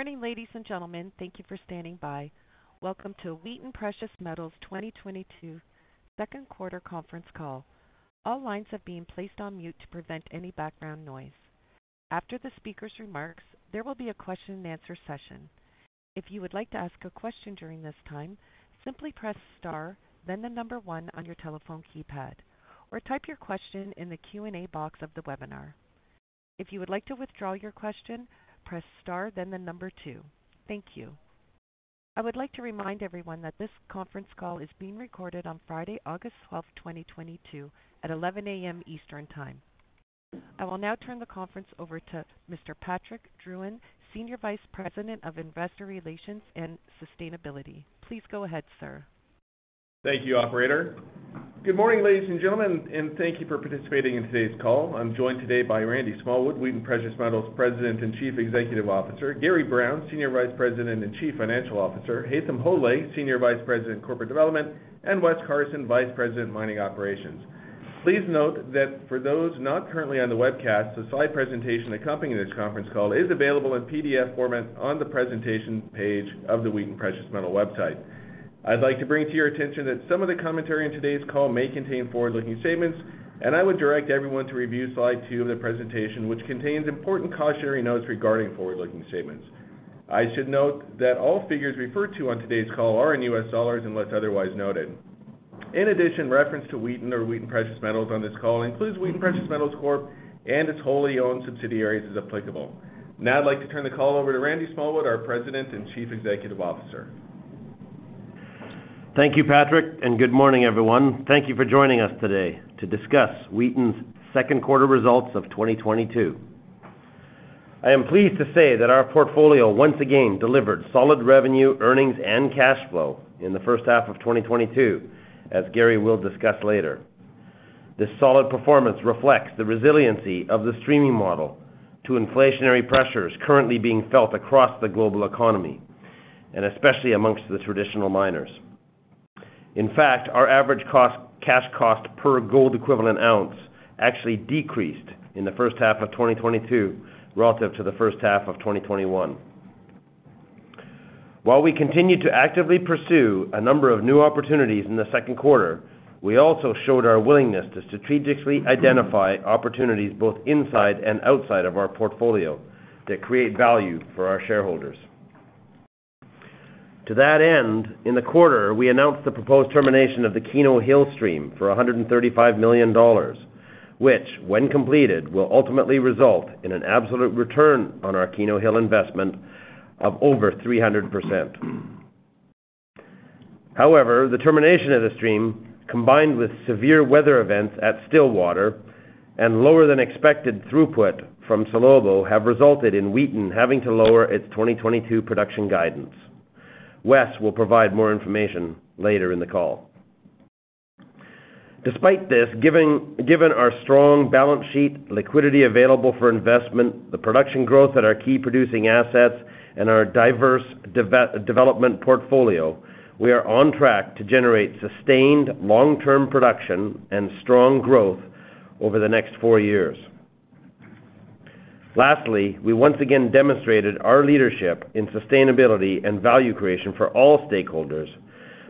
Good morning, ladies and gentlemen. Thank you for standing by. Welcome to Wheaton Precious Metals 2022 Second Quarter Conference Call. All lines have been placed on mute to prevent any background noise. After the speaker's remarks, there will be a question-and-answer session. If you would like to ask a question during this time, simply press star then the number one on your telephone keypad or type your question in the Q&A box of the webinar. If you would like to withdraw your question, press star then the number two. Thank you. I would like to remind everyone that this conference call is being recorded on Friday, August 12th, 2022 at 11:00 A.M. Eastern Time. I will now turn the conference over to Mr. Patrick Drouin, Senior Vice President of Investor Relations and Sustainability. Please go ahead, sir. Thank you, operator. Good morning, ladies and gentlemen, and thank you for participating in today's call. I'm joined today by Randy Smallwood, Wheaton Precious Metals President and Chief Executive Officer, Gary Brown, Senior Vice President and Chief Financial Officer, Haytham Hodaly, Senior Vice President, Corporate Development, and Wes Carson, Vice President, Mining Operations. Please note that for those not currently on the webcast, the slide presentation accompanying this conference call is available in PDF format on the presentation page of the Wheaton Precious Metals website. I'd like to bring to your attention that some of the commentary in today's call may contain forward-looking statements, and I would direct everyone to review slide two of the presentation which contains important cautionary notes regarding forward-looking statements. I should note that all figures referred to on today's call are in U.S. dollars unless otherwise noted. In addition, reference to Wheaton or Wheaton Precious Metals on this call includes Wheaton Precious Metals Corp. and its wholly owned subsidiaries as applicable. Now I'd like to turn the call over to Randy Smallwood, our President and Chief Executive Officer. Thank you, Patrick, and good morning, everyone. Thank you for joining us today to discuss Wheaton's second quarter results of 2022. I am pleased to say that our portfolio once again delivered solid revenue, earnings and cash flow in the first half of 2022, as Gary will discuss later. This solid performance reflects the resiliency of the streaming model to inflationary pressures currently being felt across the global economy, and especially amongst the traditional miners. In fact, our average cash cost per gold equivalent ounce actually decreased in the first half of 2022 relative to the first half of 2021. While we continued to actively pursue a number of new opportunities in the second quarter, we also showed our willingness to strategically identify opportunities both inside and outside of our portfolio that create value for our shareholders. To that end, in the quarter, we announced the proposed termination of the Keno Hill stream for $135 million, which when completed, will ultimately result in an absolute return on our Keno Hill investment of over 300%. However, the termination of the stream, combined with severe weather events at Stillwater and lower than expected throughput from Salobo, have resulted in Wheaton having to lower its 2022 production guidance. Wes will provide more information later in the call. Despite this, given our strong balance sheet liquidity available for investment, the production growth at our key producing assets and our diverse development portfolio, we are on track to generate sustained long-term production and strong growth over the next four years. Lastly, we once again demonstrated our leadership in sustainability and value creation for all stakeholders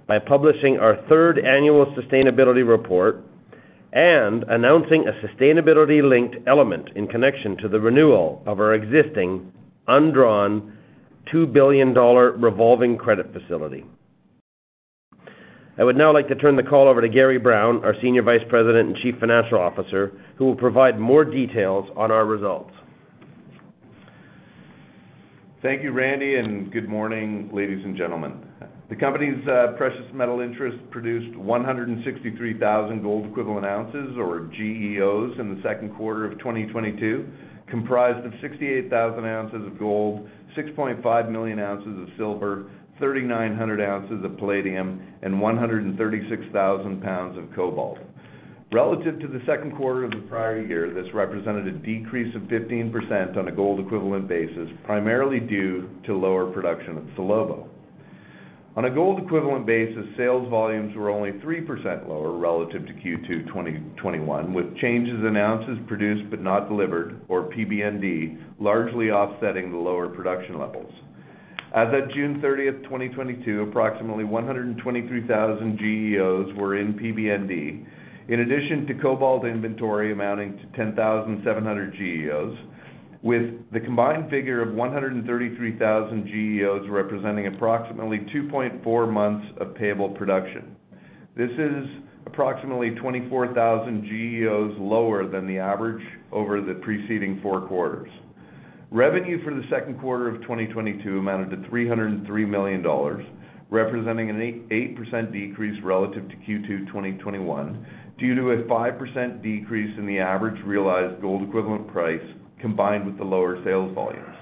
by publishing our third annual sustainability report and announcing a sustainability-linked element in connection to the renewal of our existing undrawn $2 billion revolving credit facility. I would now like to turn the call over to Gary Brown, our Senior Vice President and Chief Financial Officer, who will provide more details on our results. Thank you, Randy, and good morning, ladies and gentlemen. The company's precious metal interest produced 163,000 gold equivalent ounces or GEOs in the second quarter of 2022, comprised of 68,000 ounces of gold, 6.5 million ounces of silver, 3,900 ounces of palladium, and 136,000 pounds of cobalt. Relative to the second quarter of the prior year, this represented a decrease of 15% on a gold equivalent basis, primarily due to lower production at Salobo. On a gold equivalent basis, sales volumes were only 3% lower relative to Q2 2021, with changes in ounces produced but not delivered or PBND largely offsetting the lower production levels. As of June 30th, 2022, approximately 123,000 GEOs were in PBND, in addition to cobalt inventory amounting to 10,700 GEOs with the combined figure of 133,000 GEOs representing approximately 2.4 months of payable production. This is approximately 24,000 GEOs lower than the average over the preceding four quarters. Revenue for the second quarter of 2022 amounted to $303 million, representing an 8% decrease relative to Q2 2021 due to a 5% decrease in the average realized gold equivalent price combined with the lower sales volumes.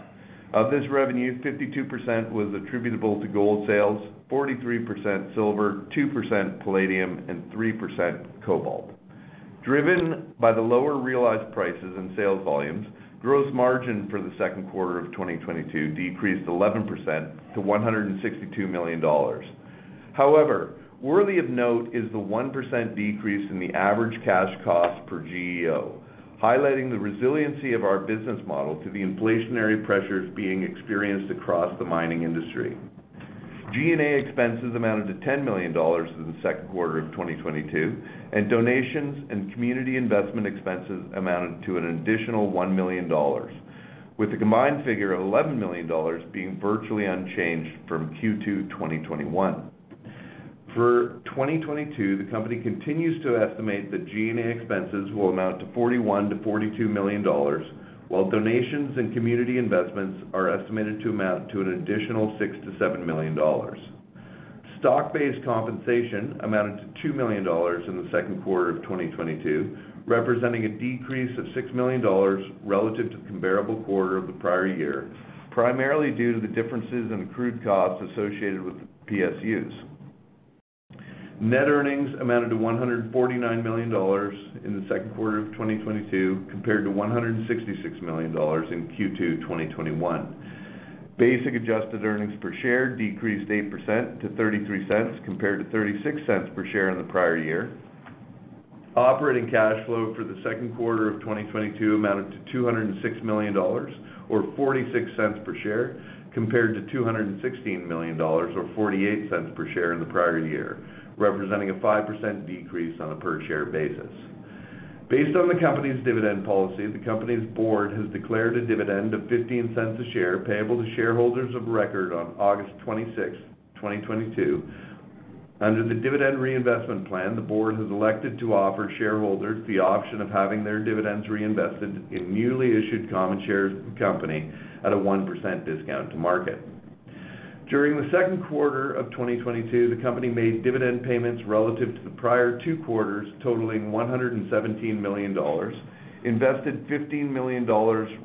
Of this revenue, 52% was attributable to gold sales, 43% silver, 2% palladium, and 3% cobalt. Driven by the lower realized prices and sales volumes, gross margin for the second quarter of 2022 decreased 11% to $162 million. However, worthy of note is the 1% decrease in the average cash cost per GEO, highlighting the resiliency of our business model to the inflationary pressures being experienced across the mining industry. G&A expenses amounted to $10 million in the second quarter of 2022, and donations and community investment expenses amounted to an additional $1 million, with a combined figure of $11 million being virtually unchanged from Q2 2021. For 2022, the company continues to estimate that G&A expenses will amount to $41 million-$42 million, while donations and community investments are estimated to amount to an additional $6 million-$7 million. Stock-based compensation amounted to $2 million in the second quarter of 2022, representing a decrease of $6 million relative to comparable quarter of the prior year, primarily due to the differences in accrued costs associated with the PSUs. Net earnings amounted to $149 million in the second quarter of 2022, compared to $166 million in Q2 2021. Basic adjusted earnings per share decreased 8% to $0.33, compared to $0.36 per share in the prior year. Operating cash flow for the second quarter of 2022 amounted to $206 million or $0.46 per share compared to $216 million or $0.48 per share in the prior year, representing a 5% decrease on a per share basis. Based on the company's dividend policy, the company's board has declared a dividend of $0.15 a share payable to shareholders of record on August 26th, 2022. Under the dividend reinvestment plan, the board has elected to offer shareholders the option of having their dividends reinvested in newly issued common shares of the company at a 1% discount to market. During the second quarter of 2022, the company made dividend payments relative to the prior two quarters, totaling $117 million, invested $15 million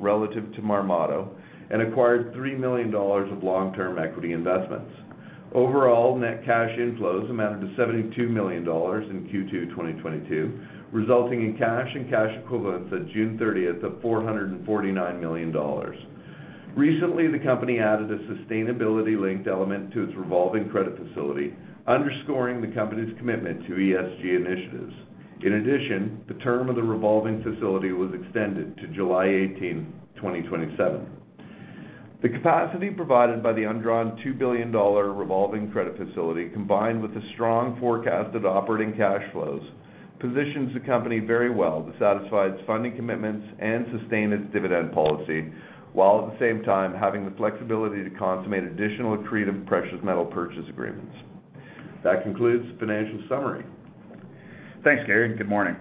relative to Marmato, and acquired $3 million of long-term equity investments. Overall, net cash inflows amounted to $72 million in Q2 2022, resulting in cash and cash equivalents at June 30th of $449 million. Recently, the company added a sustainability-linked element to its revolving credit facility, underscoring the company's commitment to ESG initiatives. In addition, the term of the revolving facility was extended to July 18th, 2027. The capacity provided by the undrawn $2 billion revolving credit facility, combined with the strong forecasted operating cash flows, positions the company very well to satisfy its funding commitments and sustain its dividend policy, while at the same time having the flexibility to consummate additional accretive precious metal purchase agreements. That concludes the financial summary. Thanks, Gary. Good morning.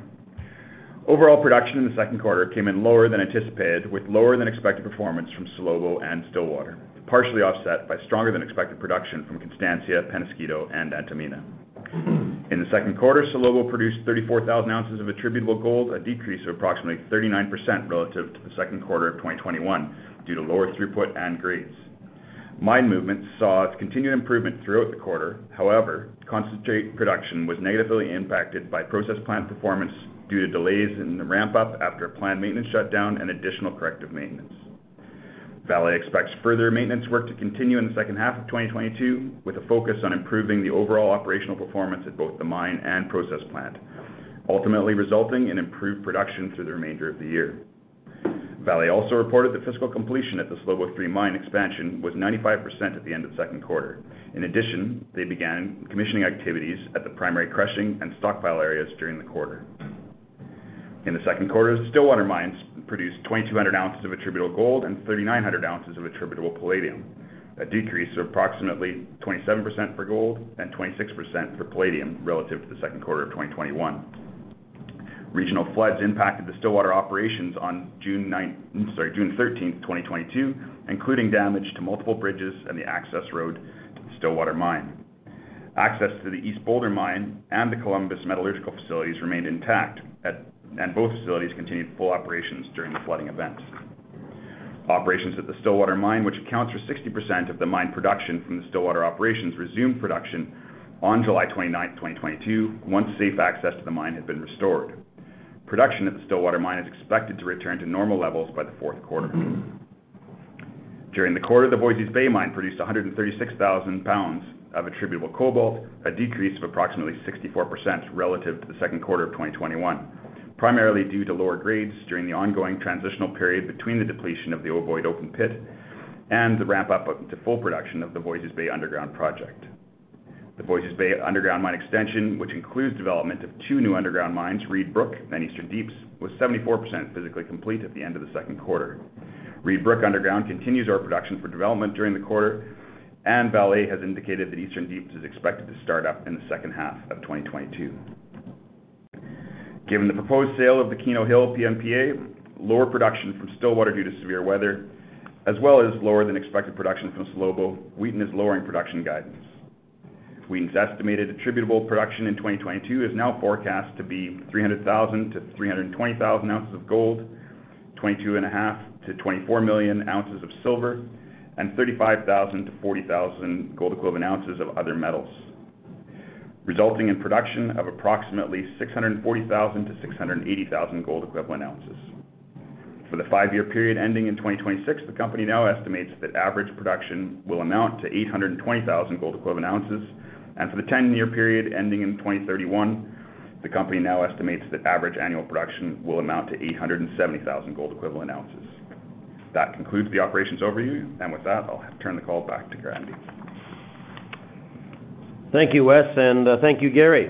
Overall production in the second quarter came in lower than anticipated, with lower than expected performance from Salobo and Stillwater, partially offset by stronger than expected production from Constancia, Peñasquito, and Antamina. In the second quarter, Salobo produced 34,000 ounces of attributable gold, a decrease of approximately 39% relative to the second quarter of 2021 due to lower throughput and grades. Mine movements saw its continued improvement throughout the quarter. However, concentrate production was negatively impacted by process plant performance due to delays in the ramp-up after a planned maintenance shutdown and additional corrective maintenance. Vale expects further maintenance work to continue in the second half of 2022, with a focus on improving the overall operational performance at both the mine and process plant, ultimately resulting in improved production through the remainder of the year. Vale also reported that physical completion at the Salobo three mine expansion was 95% at the end of the second quarter. In addition, they began commissioning activities at the primary crushing and stockpile areas during the quarter. In the second quarter, Stillwater Mine produced 2,200 ounces of attributable gold and 3,900 ounces of attributable palladium, a decrease of approximately 27% for gold and 26% for palladium relative to the second quarter of 2021. Regional floods impacted the Stillwater operations on June 13th, 2022, including damage to multiple bridges and the access road to the Stillwater Mine. Access to the East Boulder Mine and the Columbus Metallurgical facilities remained intact and both facilities continued full operations during the flooding events. Operations at the Stillwater Mine, which accounts for 60% of the mine production from the Stillwater operations, resumed production on July 29th, 2022, once safe access to the mine had been restored. Production at the Stillwater Mine is expected to return to normal levels by the fourth quarter. During the quarter, the Voisey's Bay Mine produced 136,000 pounds of attributable cobalt, a decrease of approximately 64% relative to the second quarter of 2021, primarily due to lower grades during the ongoing transitional period between the depletion of the Ovoid open pit and the ramp-up up to full production of the Voisey's Bay underground project. The Voisey's Bay underground mine extension, which includes development of two new underground mines, Reid Brook and Eastern Deeps, was 74% physically complete at the end of the second quarter. Reid Brook underground continues ore production for development during the quarter, and Vale has indicated that Eastern Deeps is expected to start up in the second half of 2022. Given the proposed sale of the Keno Hill PMPA, lower production from Stillwater due to severe weather, as well as lower than expected production from Salobo, Wheaton is lowering production guidance. Wheaton's estimated attributable production in 2022 is now forecast to be 300,000-320,000 ounces of gold, 22.5-24 million ounces of silver, and 35,000-40,000 gold equivalent ounces of other metals, resulting in production of approximately 640,000-680,000 gold equivalent ounces. For the five-year period ending in 2026, the company now estimates that average production will amount to 820,000 gold equivalent ounces. For the ten-year period ending in 2031, the company now estimates that average annual production will amount to 870,000 gold equivalent ounces. That concludes the operations overview. With that, I'll turn the call back to Randy. Thank you, Wes, and thank you, Gary.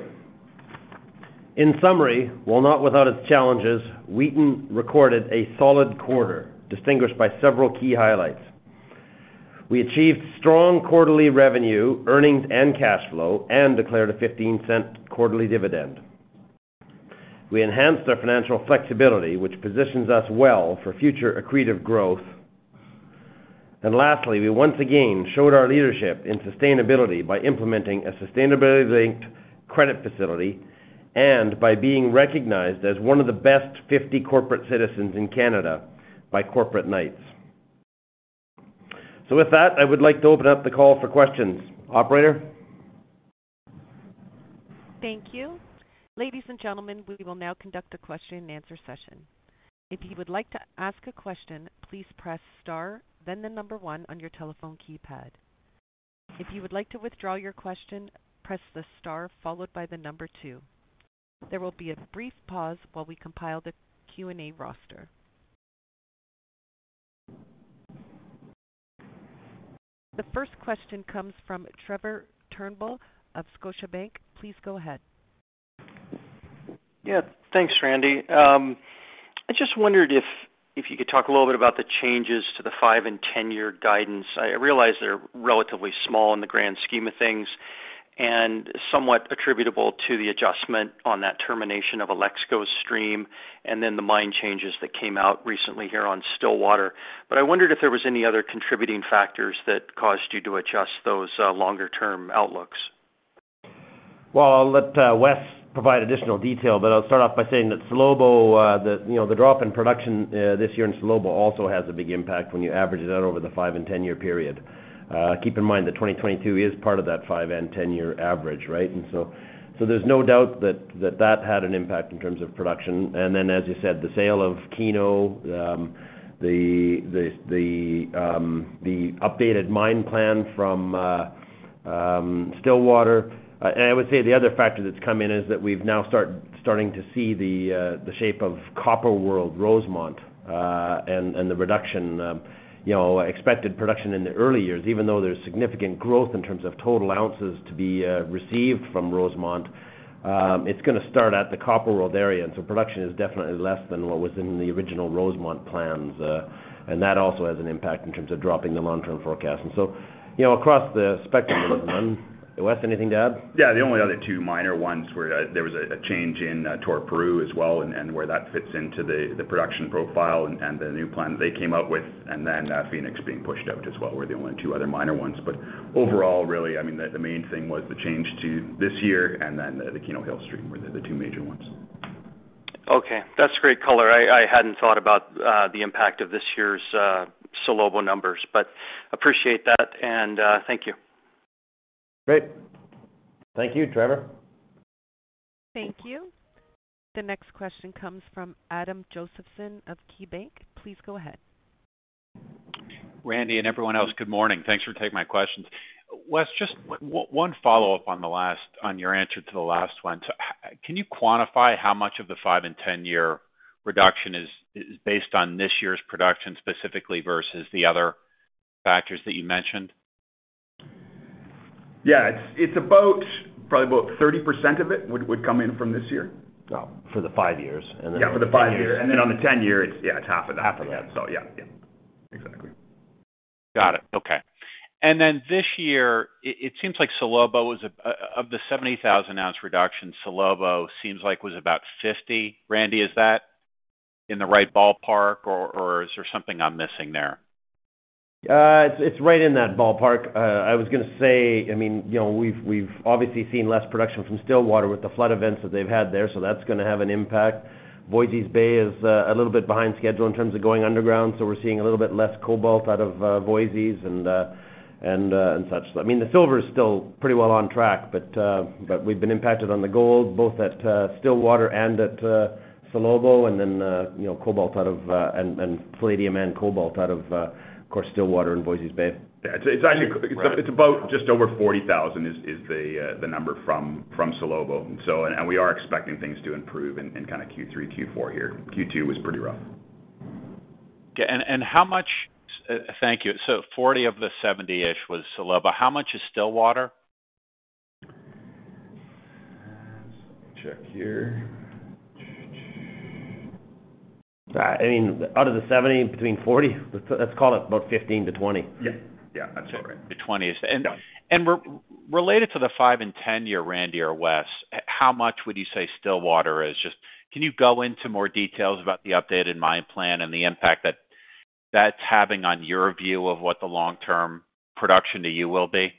In summary, while not without its challenges, Wheaton recorded a solid quarter distinguished by several key highlights. We achieved strong quarterly revenue, earnings, and cash flow, and declared a $0.15 quarterly dividend. We enhanced our financial flexibility, which positions us well for future accretive growth. Lastly, we once again showed our leadership in sustainability by implementing a sustainability credit facility and by being recognized as one of the best 50 corporate citizens in Canada by Corporate Knights. With that, I would like to open up the call for questions. Operator? Thank you. Ladies and gentlemen, we will now conduct a question and answer session. If you would like to ask a question, please press Star, then the number one on your telephone keypad. If you would like to withdraw your question, press the star followed by the number two. There will be a brief pause while we compile the Q&A roster. The first question comes from Trevor Turnbull of Scotiabank. Please go ahead. Yeah, thanks, Randy. I just wondered if you could talk a little bit about the changes to the 5- and 10-year guidance. I realize they're relatively small in the grand scheme of things and somewhat attributable to the adjustment on that termination of Alexco Stream and then the mine changes that came out recently here on Sibanye-Stillwater. I wondered if there was any other contributing factors that caused you to adjust those longer-term outlooks. Well, I'll let Wes provide additional detail, but I'll start off by saying that Salobo, you know, the drop in production this year in Salobo also has a big impact when you average it out over the 5- and 10-year period. Keep in mind that 2022 is part of that 5- and 10-year average, right? There's no doubt that had an impact in terms of production. Then, as you said, the sale of Keno, the updated mine plan from Sibanye-Stillwater. I would say the other factor that's come in is that we've now starting to see the shape of Copper World, Rosemont, and the reduction, you know, expected production in the early years, even though there's significant growth in terms of total ounces to be received from Rosemont, it's gonna start at the Copper World area, and so production is definitely less than what was in the original Rosemont plans. That also has an impact in terms of dropping the long-term forecast. You know, across the spectrum Wes, anything to add? Yeah. The only other two minor ones were, there was a change in Toroparu as well, and where that fits into the production profile and the new plan they came up with, and then, Phoenix being pushed out as well were the only two other minor ones. Overall, really, I mean, the main thing was the change to this year and then the Keno Hill stream were the two major ones. Okay. That's great color. I hadn't thought about the impact of this year's Salobo numbers, but appreciate that and thank you. Great. Thank you, Trevor. Thank you. The next question comes from Adam Josephson of KeyBanc. Please go ahead. Randy and everyone else, good morning. Thanks for taking my questions. Wes, just one follow-up on your answer to the last one. Can you quantify how much of the 5- and 10-year reduction is based on this year's production specifically versus the other factors that you mentioned? Yeah. It's about, probably about 30% of it would come in from this year. For the five years. Yeah, for the five years. On the 10 years, yeah, it's half of that. Half of that. Yeah. Yeah. Exactly. Got it. Okay. This year, it seems like Salobo was a. Of the 70,000-ounce reduction, Salobo seems like was about 50. Randy, is that in the right ballpark, or is there something I'm missing there? It's right in that ballpark. I was gonna say, I mean, you know, we've obviously seen less production from Stillwater with the flood events that they've had there, so that's gonna have an impact. Voisey's Bay is a little bit behind schedule in terms of going underground, so we're seeing a little bit less cobalt out of Voisey's and such. I mean, the silver is still pretty well on track, but we've been impacted on the gold both at Stillwater and at Salobo, and then, you know, cobalt out of, and palladium and cobalt out of course, Stillwater and Voisey's Bay. Yeah. It's actually Right. It's about just over 40,000 is the number from Salobo. We are expecting things to improve in kind of Q3, Q4 here. Q2 was pretty rough. How much? Thank you. 40 of the 70-ish was Salobo. How much is Stillwater? Let me check here. I mean, out of the 70, between 40. Let's call it about 15 to 20. Yeah. Yeah. That's about right. To 20. Yeah. and ten-year, Randy or Wes, how much would you say Stillwater is just? Can you go into more details about the updated mine plan and the impact that that's having on your view of what the long-term production to you will be?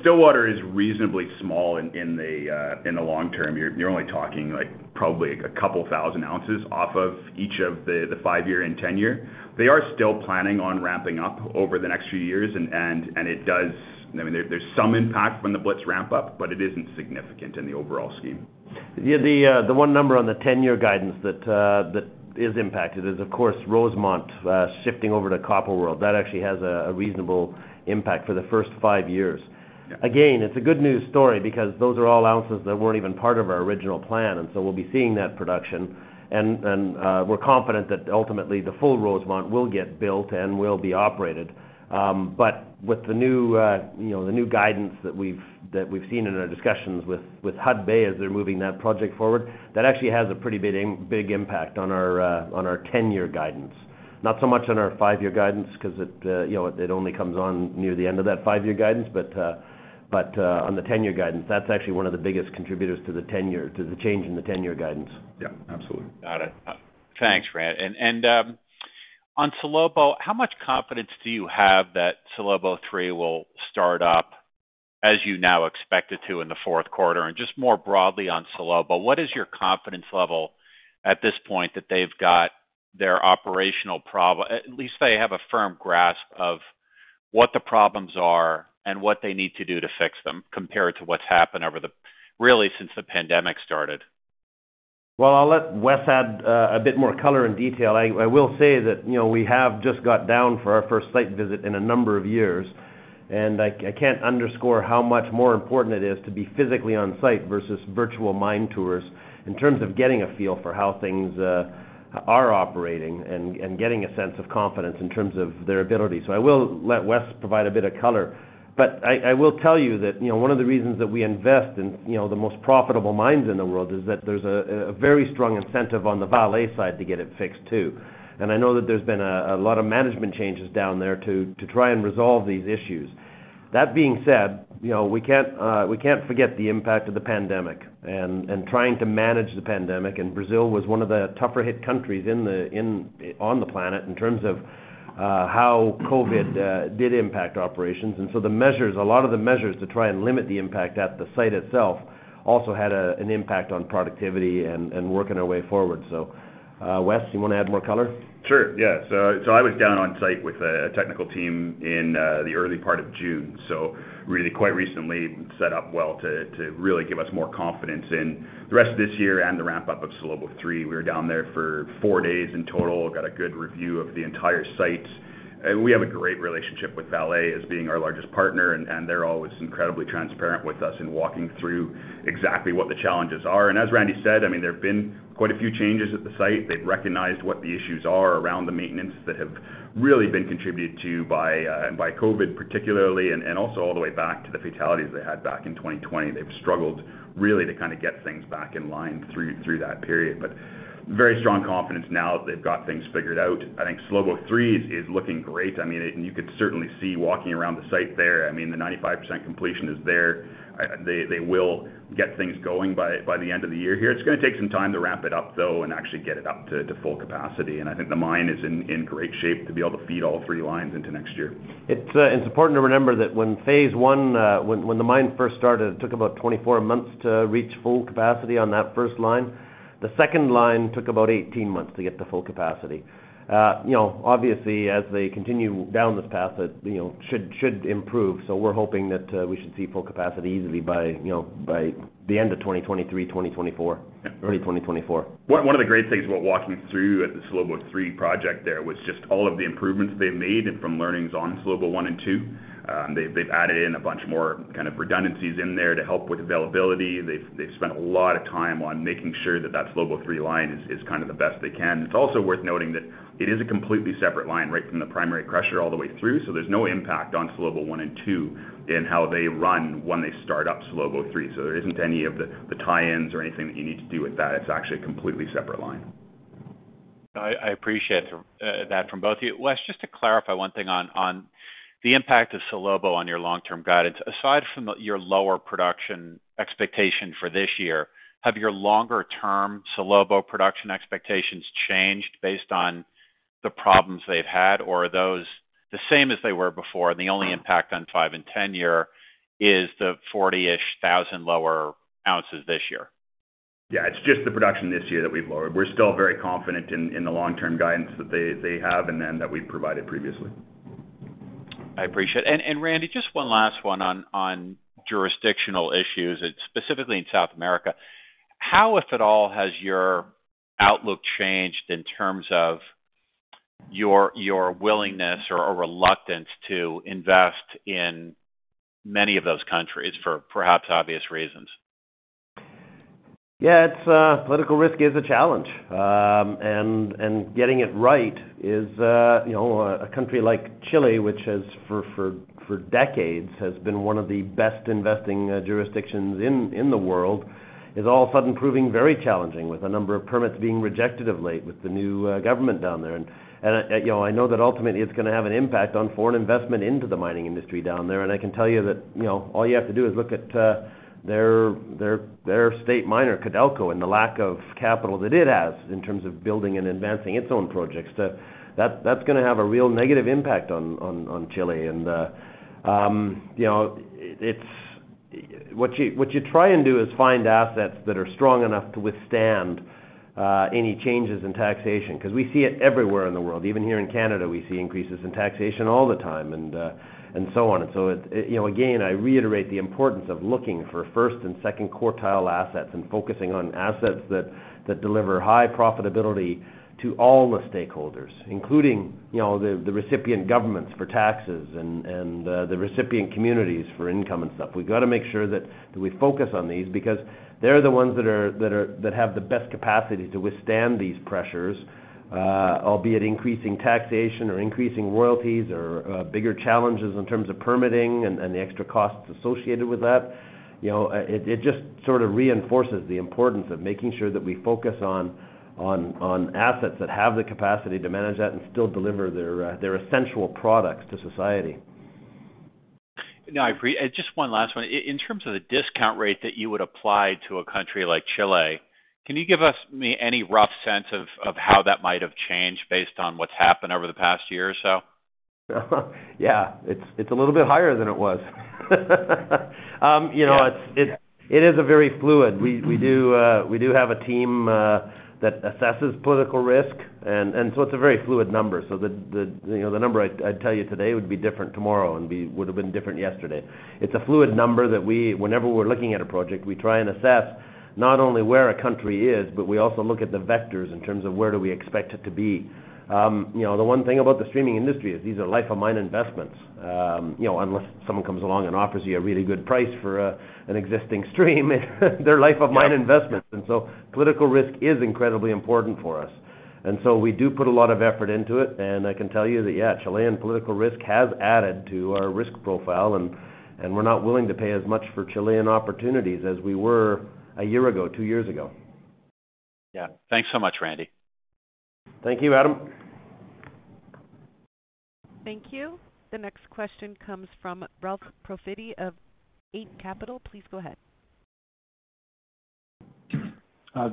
Stillwater is reasonably small in the long term. You're only talking like probably a couple thousand ounces off of each of the 5-year and 10-year. They are still planning on ramping up over the next few years and it does. I mean, there's some impact from the Blitz ramp up, but it isn't significant in the overall scheme. Yeah. The one number on the 10-year guidance that is impacted is, of course, Rosemont shifting over to copper world. That actually has a reasonable impact for the first five years. Yeah. Again, it's a good news story because those are all ounces that weren't even part of our original plan, and so we'll be seeing that production. We're confident that ultimately the full Rosemont will get built and will be operated. With the new, you know, the new guidance that we've seen in our discussions with Hudbay as they're moving that project forward, that actually has a pretty big impact on our 10-year guidance. Not so much on our five-year guidance 'cause it, you know, it only comes on near the end of that five-year guidance. On the 10-year guidance, that's actually one of the biggest contributors to the change in the 10-year guidance. Yeah. Absolutely. Got it. Thanks, Randy. On Salobo, how much confidence do you have that Salobo three will start up as you now expect it to in the fourth quarter? Just more broadly on Salobo, what is your confidence level at this point that at least they have a firm grasp of what the problems are and what they need to do to fix them compared to what's happened over there, really since the pandemic started? Well, I'll let Wes add a bit more color and detail. I will say that, you know, we have just gone down for our first site visit in a number of years, and I can't underscore how much more important it is to be physically on site versus virtual mine tours in terms of getting a feel for how things are operating and getting a sense of confidence in terms of their ability. I will let Wes provide a bit of color. I will tell you that, you know, one of the reasons that we invest in, you know, the most profitable mines in the world is that there's a very strong incentive on the Vale side to get it fixed too. I know that there's been a lot of management changes down there to try and resolve these issues. That being said, you know, we can't forget the impact of the pandemic and trying to manage the pandemic. Brazil was one of the tougher hit countries on the planet in terms of how COVID did impact operations. The measures, a lot of the measures to try and limit the impact at the site itself also had an impact on productivity and working our way forward. Wes, you wanna add more color? Sure, yeah. I was down on site with a technical team in the early part of June, really quite recently set up well to really give us more confidence in the rest of this year and the ramp up of Salobo three. We were down there for four days in total, got a good review of the entire site. We have a great relationship with Vale as being our largest partner, and they're always incredibly transparent with us in walking through exactly what the challenges are. As Randy said, I mean, there've been quite a few changes at the site. They've recognized what the issues are around the maintenance that have really been contributed to by COVID particularly, and also all the way back to the fatalities they had back in 2020. They've struggled really to kind of get things back in line through that period. Very strong confidence now that they've got things figured out. I think Salobo 3 is looking great. I mean, you could certainly see walking around the site there, I mean, the 95% completion is there. They will get things going by the end of the year here. It's gonna take some time to ramp it up though and actually get it up to full capacity, and I think the mine is in great shape to be able to feed all three lines into next year. It's important to remember that when phase one, when the mine first started, it took about 24 months to reach full capacity on that first line. The second line took about 18 months to get to full capacity. You know, obviously as they continue down this path, it should improve, so we're hoping that we should see full capacity easily by, you know, by the end of 2023-2024. Yeah. Early 2024. One of the great things about walking through at the Salobo 3 project there was just all of the improvements they made and from learnings on Salobo 1 and 2. They've added in a bunch more kind of redundancies in there to help with availability. They've spent a lot of time on making sure that Salobo 3 line is kind of the best they can. It's also worth noting that it is a completely separate line, right from the primary crusher all the way through, so there's no impact on Salobo 1 and 2 in how they run when they start up Salobo 3. There isn't any of the tie-ins or anything that you need to do with that. It's actually a completely separate line. I appreciate that from both of you. Wes, just to clarify one thing on the impact of Salobo on your long-term guidance. Aside from your lower production expectation for this year, have your longer term Salobo production expectations changed based on the problems they've had, or are those the same as they were before, and the only impact on 5- and 10-year is the 40-ish thousand lower ounces this year? Yeah. It's just the production this year that we've lowered. We're still very confident in the long-term guidance that they have and then that we've provided previously. I appreciate. Randy, just one last one on jurisdictional issues, it's specifically in South America. How, if at all, has your outlook changed in terms of your willingness or reluctance to invest in many of those countries for perhaps obvious reasons? Yeah. It's political risk is a challenge. Getting it right is, you know, a country like Chile, which has for decades has been one of the best investing jurisdictions in the world, is all of a sudden proving very challenging with a number of permits being rejected of late with the new government down there. I, you know, I know that ultimately it's gonna have an impact on foreign investment into the mining industry down there. I can tell you that, you know, all you have to do is look at their state miner Codelco, and the lack of capital that it has in terms of building and advancing its own projects. That's gonna have a real negative impact on Chile. You know, what you try and do is find assets that are strong enough to withstand any changes in taxation, 'cause we see it everywhere in the world. Even here in Canada, we see increases in taxation all the time, and so on. You know, again, I reiterate the importance of looking for first and second quartile assets and focusing on assets that deliver high profitability to all the stakeholders, including, you know, the recipient governments for taxes and the recipient communities for income and stuff. We've got to make sure that we focus on these because they're the ones that have the best capacity to withstand these pressures, albeit increasing taxation or increasing royalties or, bigger challenges in terms of permitting and the extra costs associated with that. You know, it just sort of reinforces the importance of making sure that we focus on assets that have the capacity to manage that and still deliver their essential products to society. No, I agree. Just one last one. In terms of the discount rate that you would apply to a country like Chile, can you give us any rough sense of how that might have changed based on what's happened over the past year or so? Yeah. It's a little bit higher than it was. It's a very fluid. We have a team that assesses political risk, so it's a very fluid number. So the number I'd tell you today would be different tomorrow and would have been different yesterday. It's a fluid number whenever we're looking at a project, we try and assess not only where a country is, but we also look at the vectors in terms of where do we expect it to be. The one thing about the streaming industry is these are life of mine investments. Unless someone comes along and offers you a really good price for an existing stream, they're life of mine investments. Political risk is incredibly important for us. We do put a lot of effort into it. I can tell you that, yeah, Chilean political risk has added to our risk profile, and we're not willing to pay as much for Chilean opportunities as we were a year ago, two years ago. Yeah. Thanks so much, Randy. Thank you, Adam. Thank you. The next question comes from Ralph Profiti of Eight Capital. Please go ahead.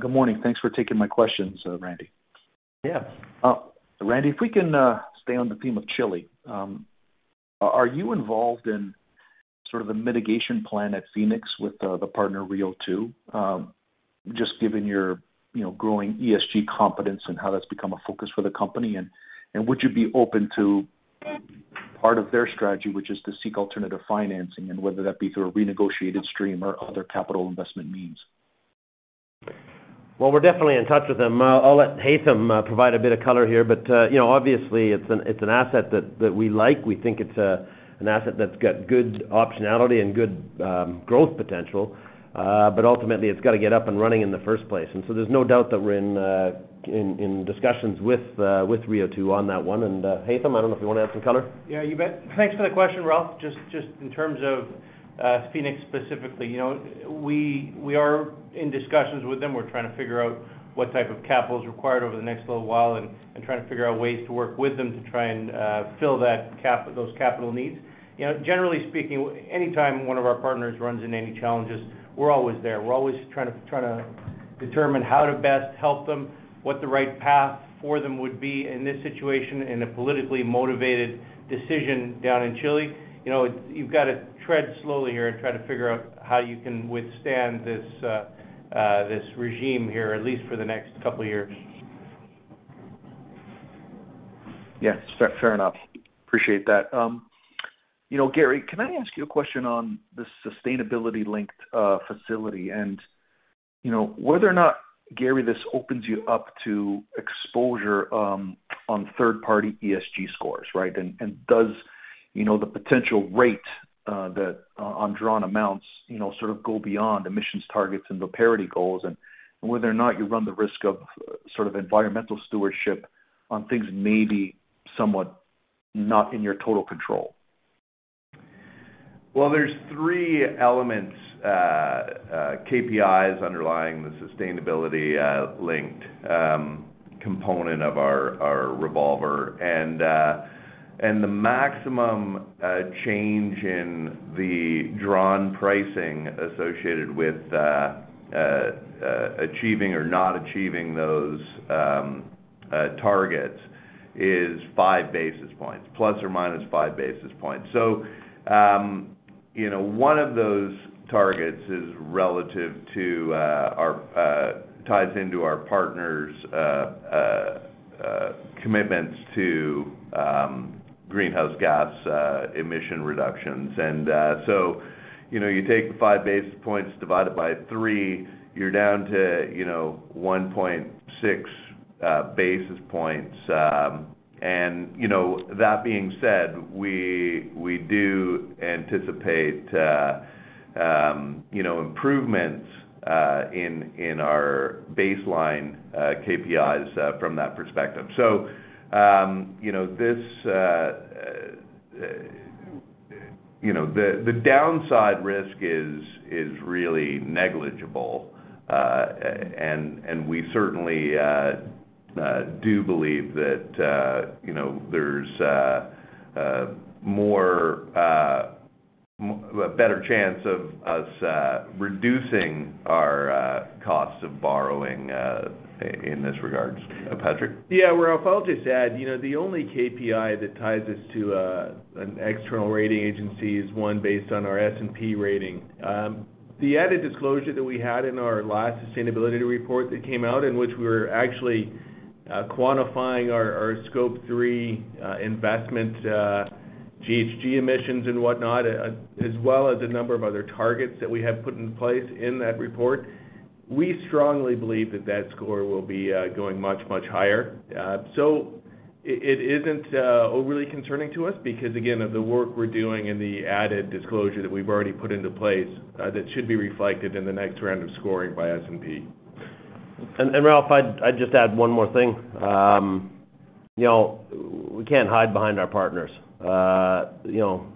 Good morning. Thanks for taking my questions, Randy. Yeah. Randy, if we can stay on the theme of Chile, are you involved in sort of a mitigation plan at Phoenix with the partner Rio2? Just given your, you know, growing ESG competence and how that's become a focus for the company, and would you be open to part of their strategy, which is to seek alternative financing and whether that be through a renegotiated stream or other capital investment means? Well, we're definitely in touch with them. I'll let Haytham provide a bit of color here. You know, obviously it's an asset that we like. We think it's an asset that's got good optionality and good growth potential. Ultimately, it's got to get up and running in the first place. There's no doubt that we're in discussions with Rio2 on that one. Haytham, I don't know if you want to add some color. Yeah, you bet. Thanks for the question, Ralph. Just in terms of Phoenix specifically, you know, we are in discussions with them. We're trying to figure out what type of capital is required over the next little while and trying to figure out ways to work with them to try and fill those capital needs. You know, generally speaking, anytime one of our partners runs into any challenges, we're always there. We're always trying to determine how to best help them, what the right path for them would be in this situation, in a politically motivated decision down in Chile. You know, you've got to tread slowly here and try to figure out how you can withstand this regime here, at least for the next couple of years. Yes. Fair enough. Appreciate that. You know, Gary, can I ask you a question on the sustainability-linked facility? You know, whether or not, Gary, this opens you up to exposure on third-party ESG scores, right? Does, you know, the potential rate on drawn amounts, you know, sort of go beyond emissions targets and the parity goals, and whether or not you run the risk of sort of environmental stewardship on things maybe somewhat not in your total control. Well, there's three elements, KPIs underlying the sustainability-linked component of our revolver. The maximum change in the drawn pricing associated with achieving or not achieving those targets is ±5 basis points. You know, one of those targets relates to our partners' commitments to greenhouse gas emission reductions. You know, you take the 5 basis points, divide it by three, you're down to, you know, 1.6 basis points. You know, that being said, we do anticipate improvements in our baseline KPIs from that perspective. You know, this uh downside risk is really negligible. And we certainly do believe that, you know, there's a more better chance of us reducing our costs of borrowing uh in this regard. Patrick? Yeah. Well, I'll just add, you know, the only KPI that ties us to an external rating agency is one based on our S&P rating. The added disclosure that we had in our last sustainability report that came out in which we were actually quantifying our scope three investment GHG emissions and whatnot, as well as a number of other targets that we have put in place in that report, we strongly believe that score will be going much, much higher. It isn't overly concerning to us because, again, of the work we're doing and the added disclosure that we've already put into place, that should be reflected in the next round of scoring by S&P. Ralph, I'd just add one more thing. You know, we can't hide behind our partners. You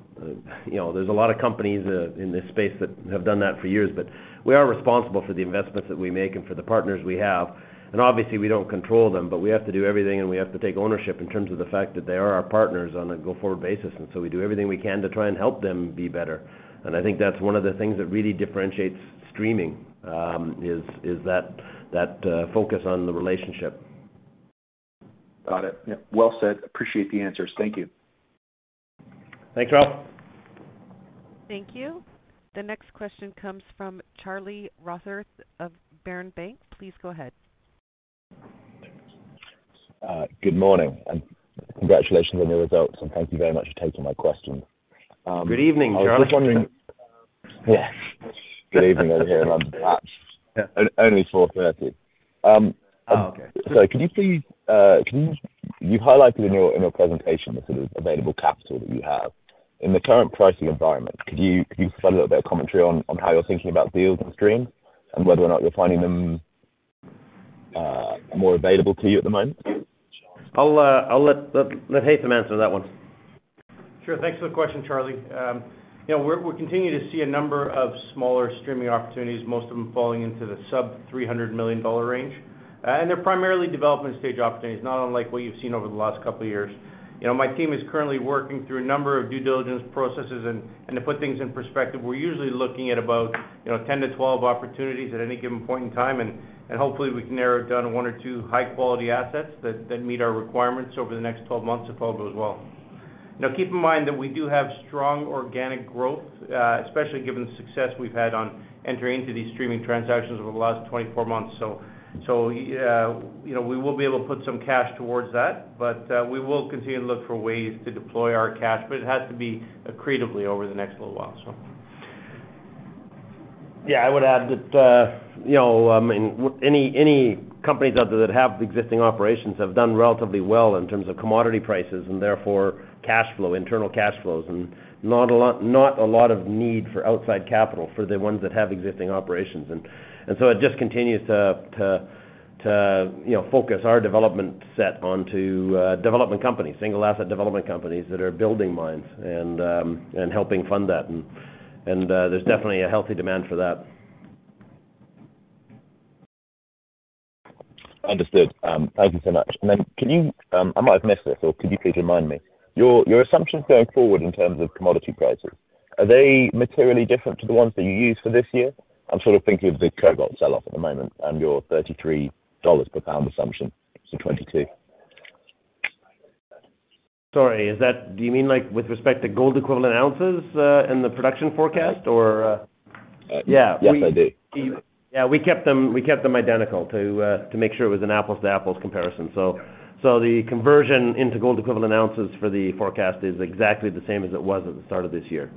know, there's a lot of companies in this space that have done that for years, but we are responsible for the investments that we make and for the partners we have. Obviously, we don't control them, but we have to do everything and we have to take ownership in terms of the fact that they are our partners on a go-forward basis. We do everything we can to try and help them be better. I think that's one of the things that really differentiates streaming is that focus on the relationship. Got it. Yeah. Well said. Appreciate the answers. Thank you. Thanks, Ralph. Thank you. The next question comes from Charlie Rothbarth of Berenberg Bank. Please go ahead. Good morning, and congratulations on your results, and thank you very much for taking my question. Good evening, Charlie. Yes. Good evening over here in London. It's only 4:30 P.M. Oh, okay. You highlighted in your presentation the sort of available capital that you have. In the current pricing environment, could you just add a little bit of commentary on how you're thinking about deals and streams and whether or not you're finding them more available to you at the moment? I'll let Haytham answer that one. Sure. Thanks for the question, Charlie. You know, we're continuing to see a number of smaller streaming opportunities, most of them falling into the sub $300 million range. They're primarily development stage opportunities, not unlike what you've seen over the last couple of years. You know, my team is currently working through a number of due diligence processes. And to put things in perspective, we're usually looking at about, you know, 10-12 opportunities at any given point in time. And hopefully we can narrow it down to one or two high quality assets that meet our requirements over the next 12 months if all goes well. Now, keep in mind that we do have strong organic growth, especially given the success we've had on entering into these streaming transactions over the last 24 months. You know, we will be able to put some cash towards that, but we will continue to look for ways to deploy our cash. It has to be accretively over the next little while. Yeah. I would add that, you know, I mean, any companies out there that have existing operations have done relatively well in terms of commodity prices, and therefore cash flow, internal cash flows, and not a lot of need for outside capital for the ones that have existing operations. There's definitely a healthy demand for that. Understood. Thank you so much. I might have missed it, so could you please remind me. Your assumptions going forward in terms of commodity prices, are they materially different to the ones that you used for this year? I'm sort of thinking of the cobalt sell-off at the moment and your $33 per pound assumption for 2022. Sorry. Do you mean, like, with respect to gold equivalent ounces in the production forecast or? Yeah. We- Yes, I do. Yeah, we kept them identical to make sure it was an apples to apples comparison. The conversion into gold equivalent ounces for the forecast is exactly the same as it was at the start of this year.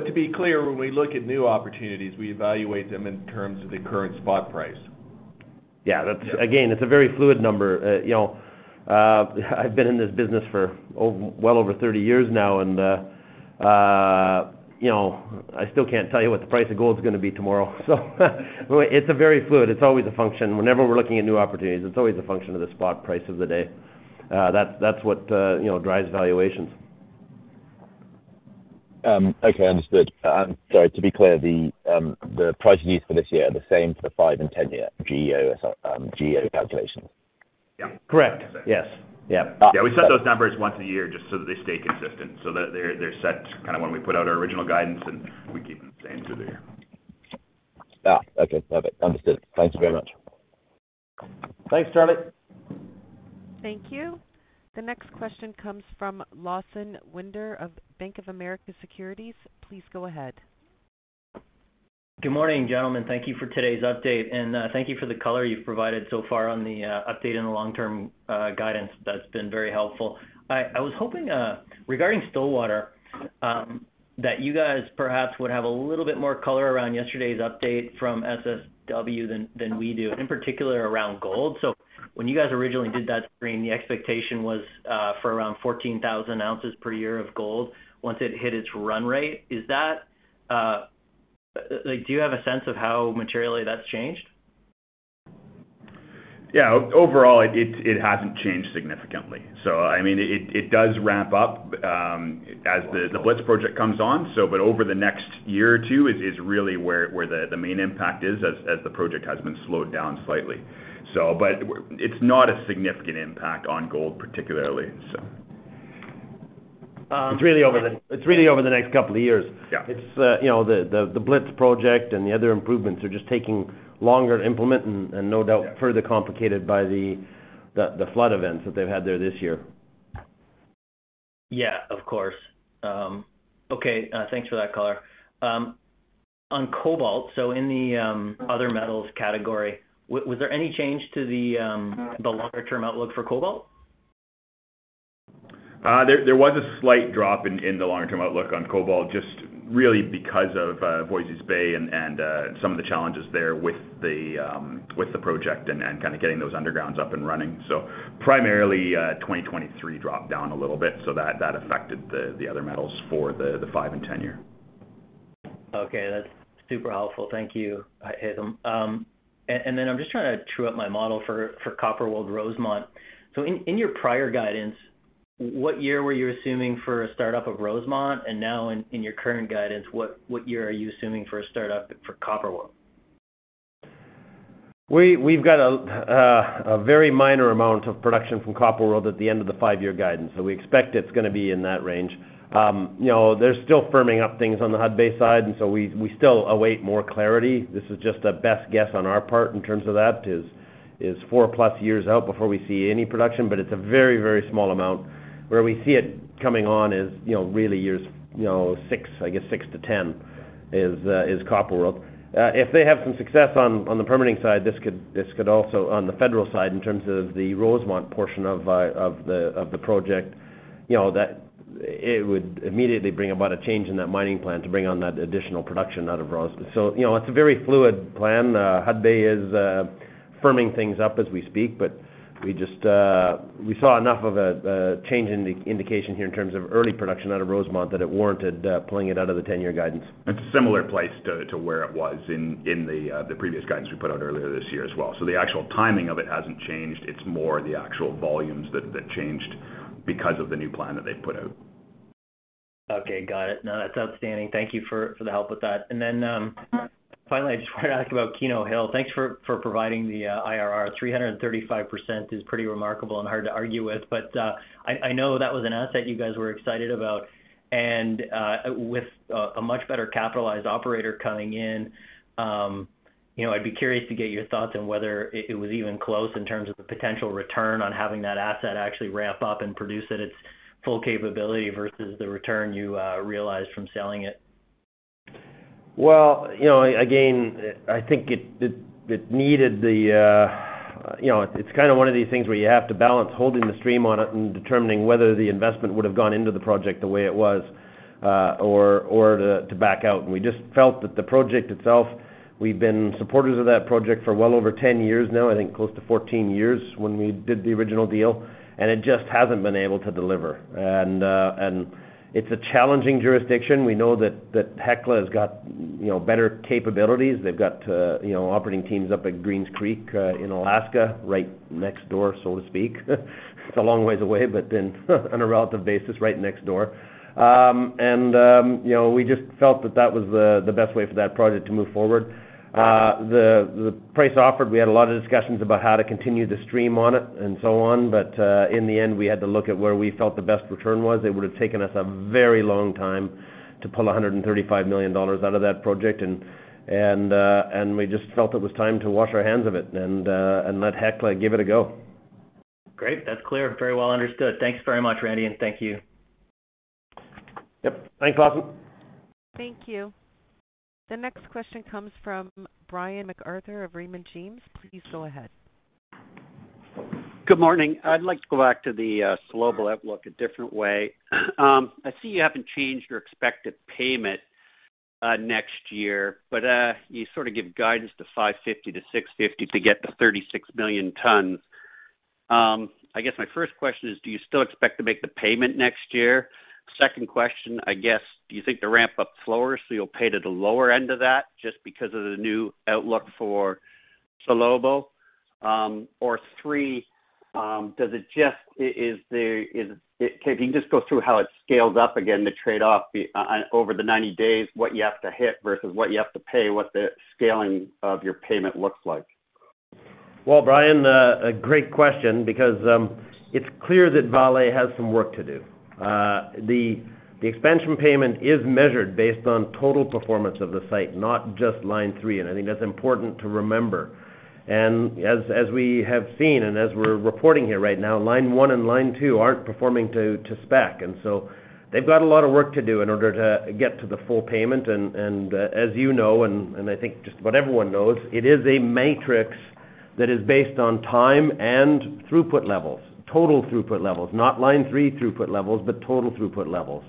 To be clear, when we look at new opportunities, we evaluate them in terms of the current spot price. Yeah. That's again a very fluid number. You know, I've been in this business for well over 30 years now, and you know, I still can't tell you what the price of gold is gonna be tomorrow. It's a very fluid. It's always a function. Whenever we're looking at new opportunities, it's always a function of the spot price of the day. That's what you know drives valuations. Okay. Understood. Sorry, to be clear, the price you used for this year are the same for the 5- and 10-year GEO calculation? Yeah. Correct. Yes. Yeah. Yeah, we set those numbers once a year just so that they stay consistent, so that they're set kind of when we put out our original guidance, and we keep them the same through the year. Okay. Perfect. Understood. Thank you very much. Thanks, Charlie. Thank you. The next question comes from Lawson Winder of Bank of America Securities. Please go ahead. Good morning, gentlemen. Thank you for today's update. Thank you for the color you've provided so far on the update and the long-term guidance. That's been very helpful. I was hoping, regarding Stillwater, that you guys perhaps would have a little bit more color around yesterday's update from Sibanye-Stillwater than we do, and in particular around gold. When you guys originally did that stream, the expectation was for around 14,000 ounces per year of gold once it hit its run rate. Is that like, do you have a sense of how materially that's changed? Yeah. Overall, it hasn't changed significantly. I mean, it does ramp up as the Blitz project comes on. Over the next year or two is really where the main impact is as the project has been slowed down slightly. It's not a significant impact on gold particularly. It's really over the next couple of years. Yeah. It's you know the Blitz project and the other improvements are just taking longer to implement and no doubt further complicated by the flood events that they've had there this year. Yeah, of course. Okay. Thanks for that color. On cobalt, in the other metals category, was there any change to the longer-term outlook for cobalt? There was a slight drop in the longer-term outlook on cobalt, just really because of Voisey's Bay and some of the challenges there with the project and kind of getting those undergrounds up and running. Primarily, 2023 dropped down a little bit, that affected the other metals for the 5- and 10-year. Okay. That's super helpful. Thank you, Haytham. And then I'm just trying to true up my model for Copper World Rosemont. In your prior guidance, what year were you assuming for a startup of Rosemont? Now in your current guidance, what year are you assuming for a startup for Copper World? We've got a very minor amount of production from Copper World at the end of the 5-year guidance. We expect it's gonna be in that range. You know, they're still firming up things on the Hudbay side, and so we still await more clarity. This is just a best guess on our part in terms of that is 4+ years out before we see any production, but it's a very, very small amount. Where we see it coming on is, you know, really years, you know, I guess 6 to 10 is Copper World. If they have some success on the permitting side, this could also, on the federal side, in terms of the Rosemont portion of the project, you know, that it would immediately bring about a change in that mining plan to bring on that additional production out of Rosemont. You know, it's a very fluid plan. Hudbay is firming things up as we speak, but we just saw enough of a change in the indication here in terms of early production out of Rosemont that it warranted pulling it out of the ten-year guidance. It's a similar place to where it was in the previous guidance we put out earlier this year as well. The actual timing of it hasn't changed. It's more the actual volumes that changed because of the new plan that they've put out. Okay, got it. No, that's outstanding. Thank you for the help with that. Finally, I just want to ask about Keno Hill. Thanks for providing the IRR. 335% is pretty remarkable and hard to argue with, but I know that was an asset you guys were excited about. With a much better capitalized operator coming in, you know, I'd be curious to get your thoughts on whether it was even close in terms of the potential return on having that asset actually ramp up and produce at its full capability versus the return you realized from selling it. You know, again, I think it needed the, you know. It's kind of one of these things where you have to balance holding the stream on it and determining whether the investment would have gone into the project the way it was, or to back out. We just felt that the project itself, we've been supporters of that project for well over 10 years now, I think close to 14 years when we did the original deal, and it just hasn't been able to deliver. It's a challenging jurisdiction. We know that Hecla has got, you know, better capabilities. They've got, you know, operating teams up at Greens Creek, in Alaska, right next door, so to speak. It's a long ways away, but then on a relative basis, right next door. You know, we just felt that that was the best way for that project to move forward. The price offered, we had a lot of discussions about how to continue to stream on it and so on, but in the end, we had to look at where we felt the best return was. It would have taken us a very long time to pull $135 million out of that project. We just felt it was time to wash our hands of it and let Hecla give it a go. Great. That's clear. Very well understood. Thanks very much, Randy, and thank you. Yep. Thanks, Lawson. Thank you. The next question comes from Brian MacArthur of Raymond James. Please go ahead. Good morning. I'd like to go back to the Salobo outlook a different way. I see you haven't changed your expected payment next year, but you sort of give guidance to 550-650 to get to 36 million tons. I guess my first question is, do you still expect to make the payment next year? Second question, I guess, do you think the ramp up slower, so you'll pay to the lower end of that just because of the new outlook for Salobo? Or three, does it just Can you just go through how it scales up again, the trade-off over the 90 days, what you have to hit versus what you have to pay, what the scaling of your payment looks like? Well, Brian, a great question because it's clear that Vale has some work to do. The expansion payment is measured based on total performance of the site, not just line three. I think that's important to remember. As we have seen and as we're reporting here right now, line one and line two aren't performing to spec. They've got a lot of work to do in order to get to the full payment. As you know, and I think just about everyone knows, it is a matrix that is based on time and throughput levels, total throughput levels. Not line three throughput levels, but total throughput levels.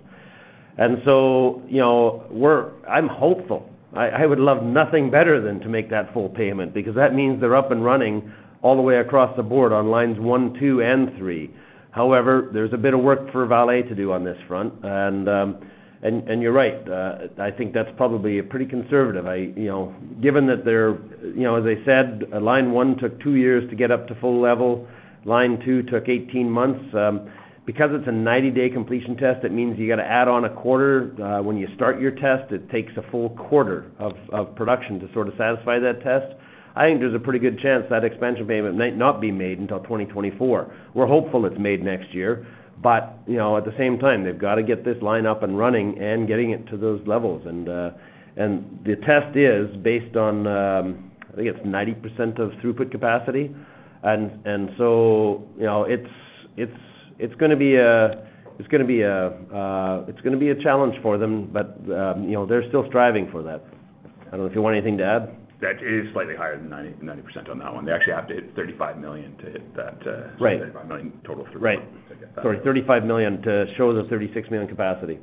You know, I'm hopeful. I would love nothing better than to make that full payment because that means they're up and running all the way across the board on lines one, two, and three. However, there's a bit of work for Vale to do on this front. You're right. I think that's probably a pretty conservative. Given that they're, as I said, line one took two years to get up to full level. Line two took 18 months. Because it's a 90-day completion test, that means you got to add on a quarter. When you start your test, it takes a full quarter of production to sort of satisfy that test. I think there's a pretty good chance that expansion payment might not be made until 2024. We're hopeful it's made next year, but you know, at the same time, they've got to get this line up and running and getting it to those levels. The test is based on, I think it's 90% of throughput capacity. You know, it's gonna be a challenge for them. You know, they're still striving for that. I don't know if you want anything to add. That is slightly higher than 90% on that one. They actually have to hit 35 million to hit that. Right. 35 million total throughput. Right. Sorry, 35 million to show the 36 million capacity.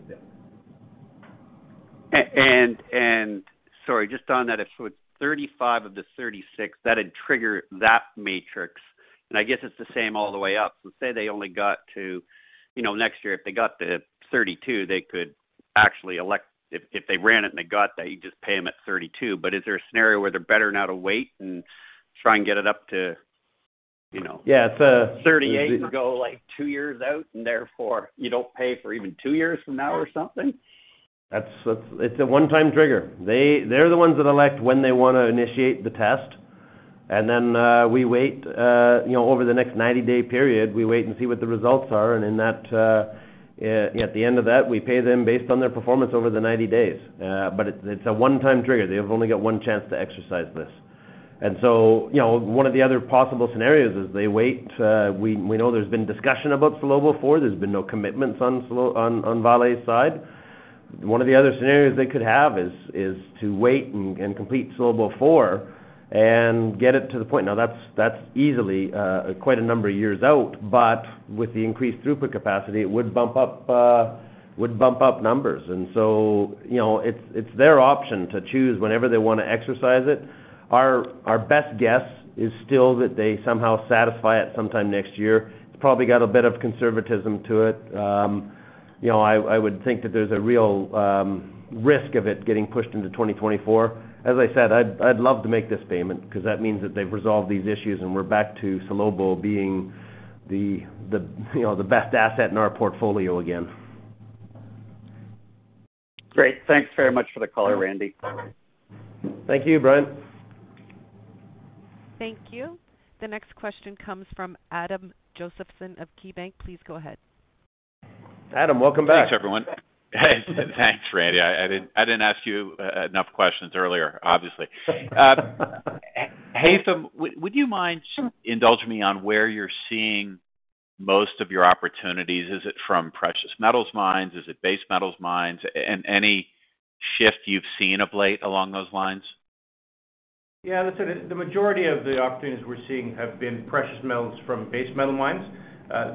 Yeah. Sorry, just on that, if it was 35 of the 36 that would trigger that matrix, and I guess it's the same all the way up. Say they only got to, you know, next year, if they got the 32, they could actually elect. If they ran it and they got that, you just pay them at 32. But is there a scenario where they're better now to wait and try and get it up to, you know. Yeah. 38 and go, like, two years out, and therefore you don't pay for even two years from now or something? It's a one-time trigger. They're the ones that elect when they wanna initiate the test. We wait, you know, over the next 90-day period, and see what the results are. In that, at the end of that, we pay them based on their performance over the 90 days. It's a one-time trigger. They've only got one chance to exercise this. You know, one of the other possible scenarios is they wait. We know there's been discussion about Salobo Four. There's been no commitments on Salobo, on Vale's side. One of the other scenarios they could have is to wait and complete Salobo Four and get it to the point. Now that's easily quite a number of years out. With the increased throughput capacity, it would bump up numbers. You know, it's their option to choose whenever they wanna exercise it. Our best guess is still that they somehow satisfy it sometime next year. It's probably got a bit of conservatism to it. You know, I would think that there's a real risk of it getting pushed into 2024. As I said, I'd love to make this payment because that means that they've resolved these issues, and we're back to Salobo being the, you know, the best asset in our portfolio again. Great. Thanks very much for the color, Randy. Thank you, Brian. Thank you. The next question comes from Adam Josephson of KeyBanc. Please go ahead. Adam, welcome back. Thanks, everyone. Thanks, Randy. I didn't ask you enough questions earlier, obviously. Haytham, would you mind indulging me on where you're seeing most of your opportunities? Is it from precious metals mines? Is it base metals mines? And any shift you've seen of late along those lines? Yeah, listen, the majority of the opportunities we're seeing have been precious metals from base metal mines.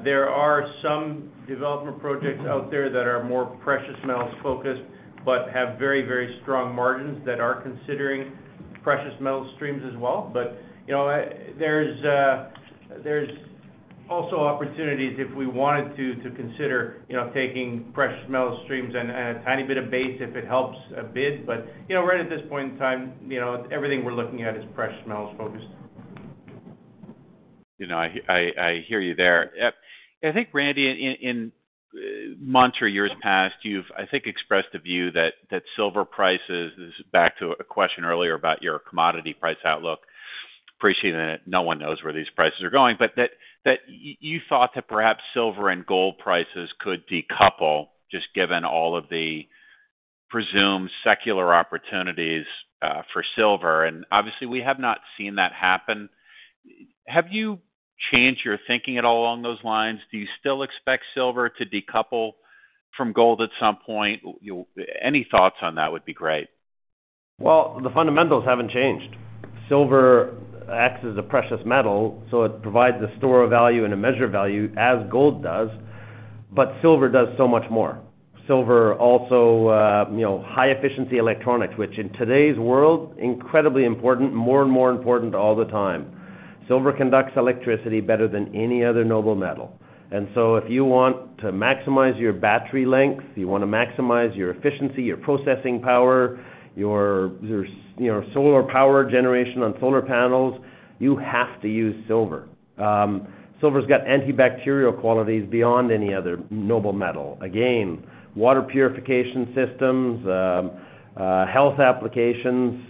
There are some development projects out there that are more precious metals focused, but have very, very strong margins that are considering precious metal streams as well. You know, there's also opportunities if we wanted to consider, you know, taking precious metal streams and a tiny bit of base if it helps a bid. You know, right at this point in time, you know, everything we're looking at is precious metals focused. You know, I hear you there. I think Randy, in months or years past, you've, I think, expressed a view that silver prices, this is back to a question earlier about your commodity price outlook, appreciating that no one knows where these prices are going. That you thought that perhaps silver and gold prices could decouple, just given all of the presumed secular opportunities, for silver. Obviously, we have not seen that happen. Have you changed your thinking at all along those lines? Do you still expect silver to decouple from gold at some point? Any thoughts on that would be great. Well, the fundamentals haven't changed. Silver acts as a precious metal, so it provides a store of value and a measure of value as gold does, but silver does so much more. Silver also, you know, high efficiency electronics, which in today's world, incredibly important, more and more important all the time. Silver conducts electricity better than any other noble metal. If you want to maximize your battery length, you wanna maximize your efficiency, your processing power, your solar power generation on solar panels, you have to use silver. Silver's got antibacterial qualities beyond any other noble metal. Again, water purification systems, health applications,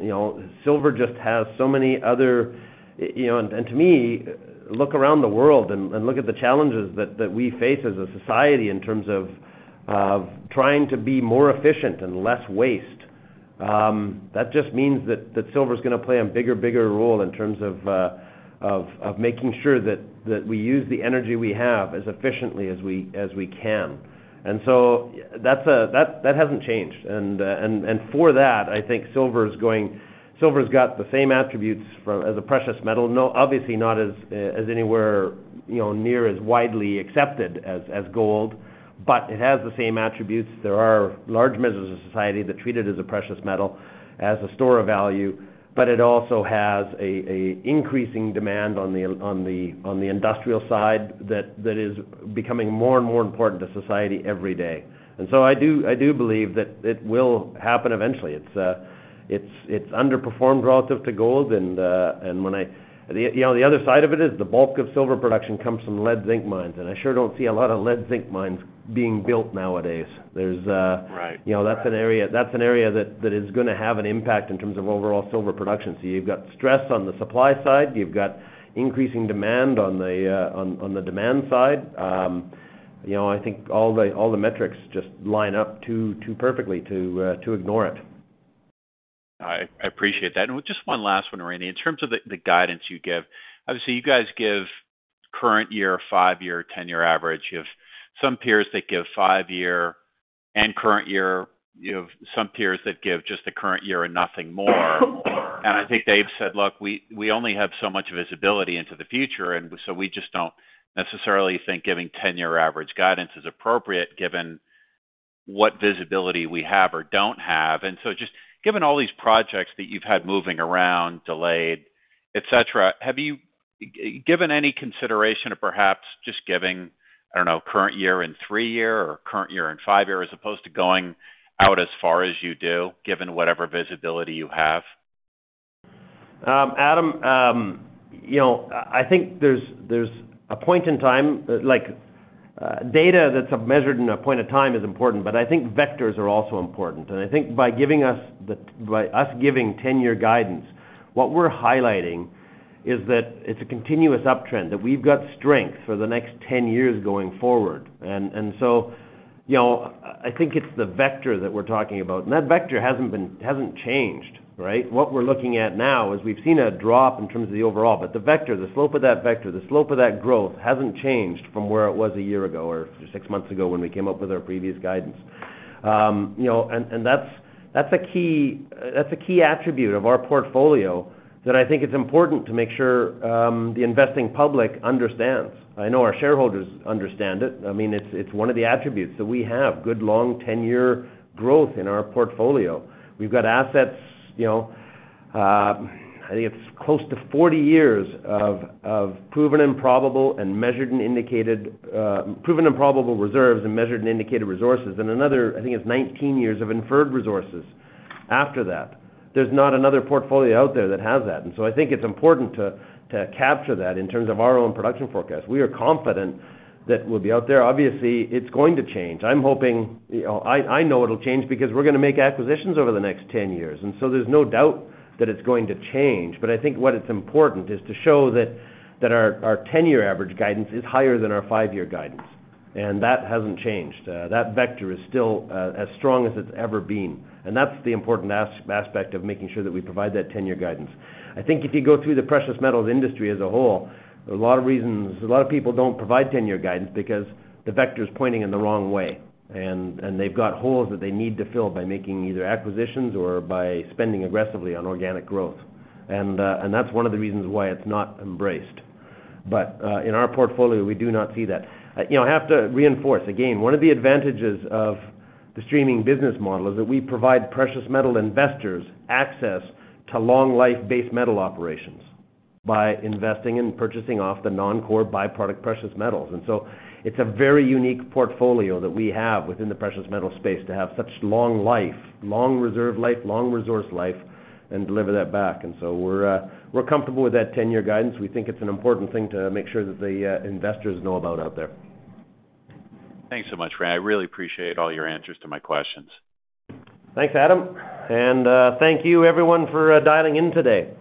you know, silver just has so many other, you know. To me, look around the world and look at the challenges that we face as a society in terms of trying to be more efficient and less waste. That just means that silver is gonna play a bigger role in terms of making sure that we use the energy we have as efficiently as we can. That hasn't changed. For that, I think Silver's got the same attributes as a precious metal. Obviously not as anywhere near as widely accepted as gold, but it has the same attributes. There are large measures of society that treat it as a precious metal, as a store of value, but it also has an increasing demand on the industrial side that is becoming more and more important to society every day. I do believe that it will happen eventually. It's underperformed relative to gold. You know, the other side of it is the bulk of silver production comes from lead-zinc mines, and I sure don't see a lot of lead-zinc mines being built nowadays. Right. You know, that's an area that is gonna have an impact in terms of overall silver production. You've got stress on the supply side, you've got increasing demand on the demand side. You know, I think all the metrics just line up too perfectly to ignore it. I appreciate that. Just one last one, Randy. In terms of the guidance you give, obviously, you guys give current year, 5-year, 10-year average. You have some peers that give 5-year and current year. You have some peers that give just the current year and nothing more and I think Dave said, "Look, we only have so much visibility into the future, and so we just don't necessarily think giving 10-year average guidance is appropriate given what visibility we have or don't have." Just given all these projects that you've had moving around, delayed, et cetera, have you given any consideration or perhaps just giving, I don't know, current year and 3-year or current year and 5-year, as opposed to going out as far as you do, given whatever visibility you have? Adam, you know, I think there's a point in time like data that's measured in a point of time is important. I think vectors are also important. I think by us giving 10-year guidance, what we're highlighting is that it's a continuous uptrend, that we've got strength for the next 10 years going forward. You know, I think it's the vector that we're talking about, and that vector hasn't changed, right? What we're looking at now is we've seen a drop in terms of the overall. The vector, the slope of that vector, the slope of that growth hasn't changed from where it was a year ago or six months ago when we came up with our previous guidance. You know, that's a key attribute of our portfolio that I think it's important to make sure the investing public understands. I know our shareholders understand it. I mean, it's one of the attributes that we have, good long 10-year growth in our portfolio. We've got assets, you know, I think it's close to 40 years of proven and probable reserves and measured and indicated resources. Another, I think it's 19 years of inferred resources after that. There's not another portfolio out there that has that. I think it's important to capture that in terms of our own production forecast. We are confident that we'll be out there. Obviously, it's going to change. I'm hoping, you know. I know it'll change because we're gonna make acquisitions over the next 10 years, and so there's no doubt that it's going to change. I think what it's important is to show that our 10-year average guidance is higher than our 5-year guidance. That hasn't changed. That vector is still as strong as it's ever been, and that's the important aspect of making sure that we provide that 10-year guidance. I think if you go through the precious metals industry as a whole, a lot of reasons, a lot of people don't provide 10-year guidance because the vector is pointing in the wrong way. They've got holes that they need to fill by making either acquisitions or by spending aggressively on organic growth. That's one of the reasons why it's not embraced. In our portfolio, we do not see that. You know, I have to reinforce again, one of the advantages of the streaming business model is that we provide precious metal investors access to long-life base-metal operations by investing and purchasing of the non-core byproduct precious metals. It's a very unique portfolio that we have within the precious metal space to have such long life, long reserve life, long resource life, and deliver that back. We're comfortable with that 10-year guidance. We think it's an important thing to make sure that the investors know about out there. Thanks so much, Randy. I really appreciate all your answers to my questions. Thanks, Adam, and thank you everyone for dialing in today.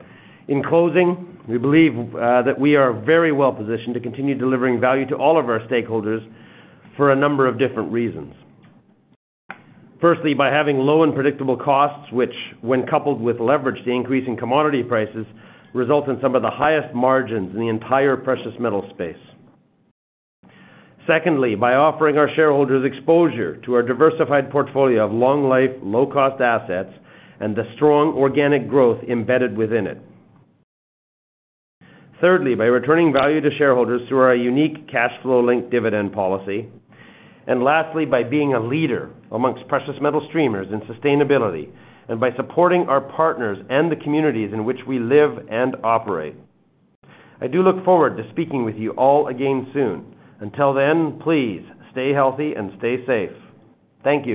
In closing, we believe that we are very well positioned to continue delivering value to all of our stakeholders for a number of different reasons. Firstly, by having low and predictable costs, which when coupled with leverage to increase in commodity prices, result in some of the highest margins in the entire precious metal space. Secondly, by offering our shareholders exposure to our diversified portfolio of long life, low cost assets, and the strong organic growth embedded within it. Thirdly, by returning value to shareholders through our unique cash flow linked dividend policy. Lastly, by being a leader amongst precious metal streamers in sustainability. By supporting our partners and the communities in which we live and operate. I do look forward to speaking with you all again soon. Until then, please stay healthy and stay safe. Thank you.